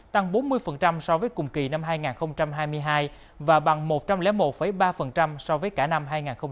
tăng bốn mươi so với cùng kỳ năm hai nghìn hai mươi hai và bằng một trăm linh một ba so với cả năm hai nghìn hai mươi hai